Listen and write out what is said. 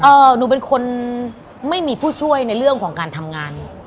หนูเป็นคนไม่มีผู้ช่วยในเรื่องของการทำงาน